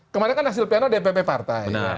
kemarin kan hasil pn dpp partai